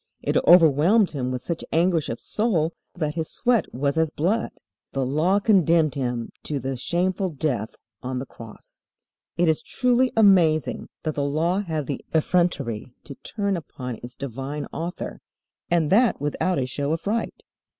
It overwhelmed him with such anguish of soul that His sweat was as blood. The Law condemned Him to the shameful death on the Cross. It is truly amazing that the Law had the effrontery to turn upon its divine Author, and that without a show of right.